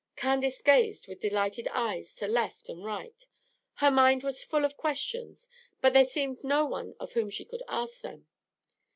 Candace gazed with delighted eyes to left and right. Her mind was full of questions, but there seemed no one of whom she could ask them.